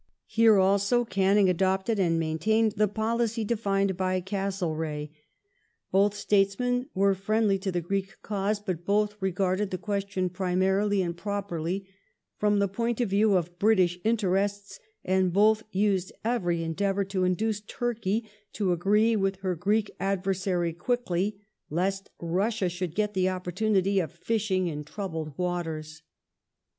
Here also question Canning adopted and maintained the policy defined by Castlereagh. Both statesmen were friendly to the Greek cause, but both re y garded the question primarily and properly from the point of view i of British interests, and both used every endeavour to induce Turkey to agree with her Greek adversary quickly, lest Russia L should get the opportunity t)f fishing in troubled waters.